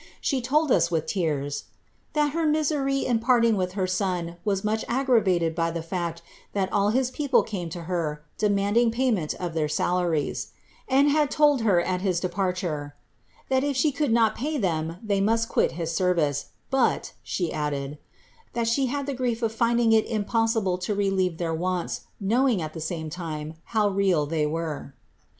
She told us, with tears, ^ that her misery in parting with her son was much aggravated by the fact that all hii people came to her, demanding payment of their salaries \* and had told her, at his departure, ' that if she could not pay them, they must quit his service ; but,' she added, ^ that she had the grief of finding it impos sible to relieve their wants, knowing, at the same time, how real they were.'